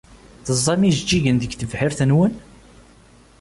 Teẓẓam ijeǧǧigen deg tebḥirt-nwen?